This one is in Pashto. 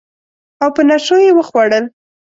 او په نشو یې وخوړل